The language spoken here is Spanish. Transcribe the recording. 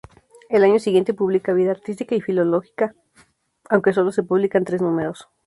El año siguiente publica "Vida artística y filológica", aunque sólo se publican tres números.